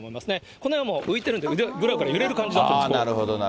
この辺はもう浮いてるんで、ぐらぐら揺れる感じで。